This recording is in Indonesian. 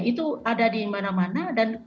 itu ada di mana mana dan